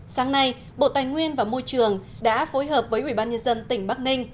sáng nay bộ tài nguyên và môi trường đã phối hợp với ubnd tỉnh bắc ninh